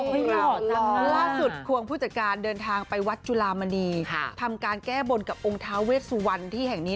ล่าสุดควงผู้จัดการเดินทางไปวัดจุลามณีทำการแก้บนกับองค์ท้าเวสวรรณที่แห่งนี้